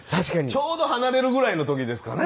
ちょうど離れるぐらいの時ですかね。